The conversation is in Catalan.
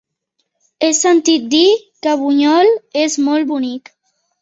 He sentit a dir que Bunyol és molt bonic.